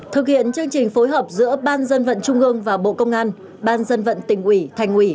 thực hiện chương trình phối hợp giữa ban dân vận trung ương và bộ công an ban dân vận tỉnh ủy thành ủy